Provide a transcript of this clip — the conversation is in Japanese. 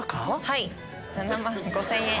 はい７万５０００円。